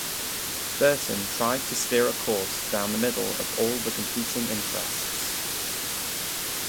Burton tried to steer a course down the middle of all the competing interests.